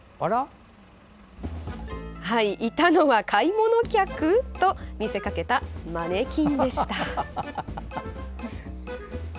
いたのは買い物客？と見せかけたマネキンでした。